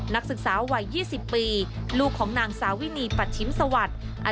นักศึกษาวัย๒๐ปีลูกของนางสาวินีปัชชิมสวัสดิ์